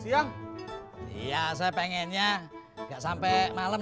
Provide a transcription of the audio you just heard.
iya saya pengennya gak sampai malam